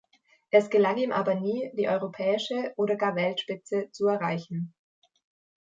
Es gelang ihm aber nie, die europäische oder gar Weltspitze zu erreichen.